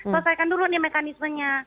selesaikan dulu nih mekanismenya